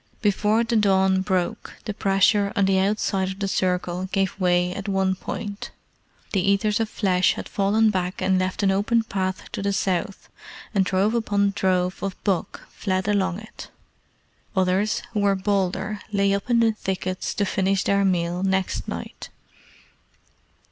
Before the dawn broke the pressure on the outside of the circle gave way at one point. The Eaters of Flesh had fallen back and left an open path to the south, and drove upon drove of buck fled along it. Others, who were bolder, lay up in the thickets to finish their meal next night.